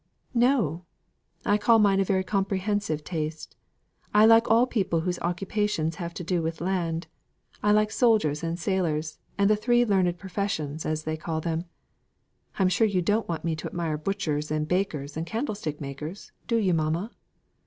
"No! I call mine a very comprehensive taste; I like all people whose occupations have to do with land; I like soldiers and sailors, and the three learned professions, as they call them. I'm sure you don't want me to admire butchers and bakers, and candlestick makers, do you, mamma?"